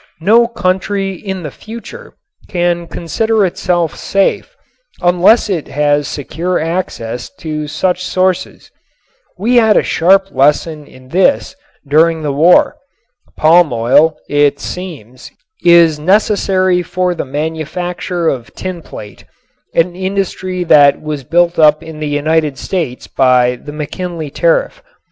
No country in the future can consider itself safe unless it has secure access to such sources. We had a sharp lesson in this during the war. Palm oil, it seems, is necessary for the manufacture of tinplate, an industry that was built up in the United States by the McKinley tariff.